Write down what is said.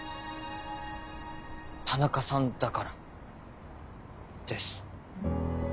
田中さんだからです。